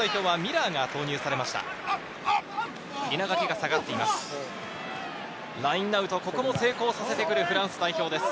ラインアウト、ここも成功させてくるフランス代表です。